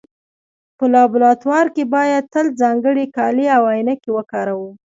په لابراتوار کې باید تل ځانګړي کالي او عینکې وکاروو.